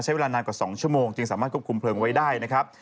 ใช้เวลานานกว่า๒ชั่วโมงจึงสามารถควบคุมเพลิงไว้ได้นะครับ